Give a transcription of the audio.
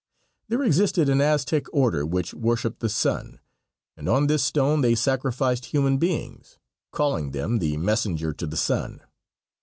There existed an Aztec order which worshiped the sun, and on this stone they sacrificed human beings, calling them the "messenger to the sun."